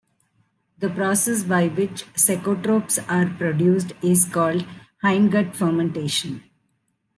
The process by which cecotropes are produced is called "hindgut fermentation".